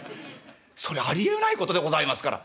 それありえないことでございますから」。